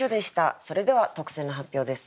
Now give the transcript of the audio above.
それでは特選の発表です。